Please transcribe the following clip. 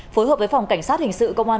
phối hợp với phòng cảnh sát hình sự công an